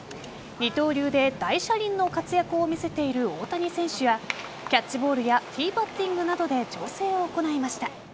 二刀流で大車輪の活躍を見せている大谷選手はキャッチボールやティーバッティングなどで調整を行いました。